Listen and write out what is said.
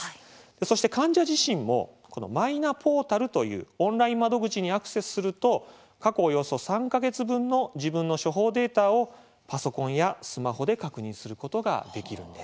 そして、患者自身も「マイナポータル」というオンライン窓口にアクセスすると過去およそ３か月分の自分の処方データをパソコンやスマホで確認することができるんです。